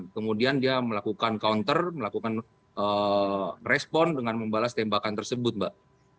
kemudian dia melakukan counter melakukan respon dengan membalas tembakan tersebut mbak